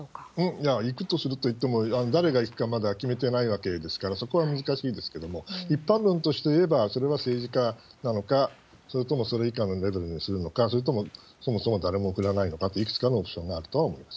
いや、行くとするといっても、誰が行くかまだ決めてないわけですから、そこは難しいですけれども、一般論として言えば、それは政治家なのか、それともそれ以下のレベルにするのか、それとも、そもそも誰も送らないのかと、いくつかのオプションがあると思います。